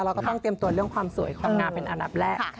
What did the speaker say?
เราก็ต้องเตรียมตัวเรื่องความสวยความงามเป็นอันดับแรก